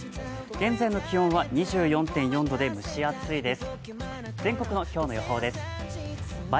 現在の気温は２４．４度で蒸し暑いです。